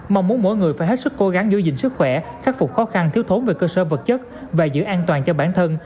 mong muốn mỗi người phải hết sức cố gắng giữ gìn sức khỏe khắc phục khó khăn thiếu thốn về cơ sở vật chất và giữ an toàn cho bản thân